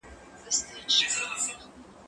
زه پرون لوښي وچولې!؟